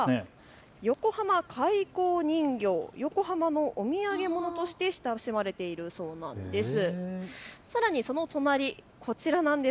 まずこちらは横浜開港人形、横浜の土産物として親しまれているそうなんです。